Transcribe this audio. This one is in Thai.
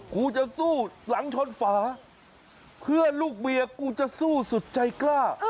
กูจะสู้หลังชนฝาเพื่อลูกเมียกูจะสู้สุดใจกล้า